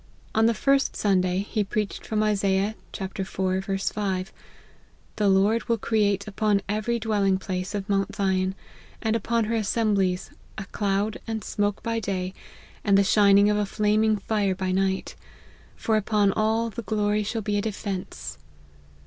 On the first Sunday, he preached from Isaiah iv. 5 " The Lord will create upon every dwelling place of Mount Zion, and upon her assemblies, a cloud and smoke by day, and the shining of a flaming fire by night : for upon all the glory shall ue a defence."